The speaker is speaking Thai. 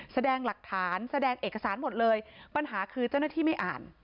แสดงหลักฐานแสดงเอกสารหมดเลยปัญหาคือเจ้าหน้าที่ไม่อ่าน